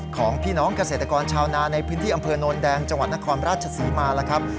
ของพี่น้องเกษตรกรชาวนาในพื้นที่อำเภอโนนแดงจังหวัดนครราชศรีมาแล้วครับ